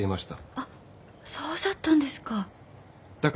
あっそうじゃったんですか。